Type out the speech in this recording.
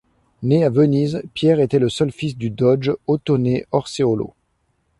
Né à Venise, Pierre était le seul fils du doge Ottone Orseolo.